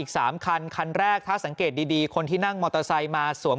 ๓คันคันแรกถ้าสังเกตดีคนที่นั่งมอเตอร์ไซค์มาสวม